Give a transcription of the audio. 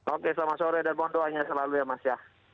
oke selamat sore dan doangnya selalu ya mas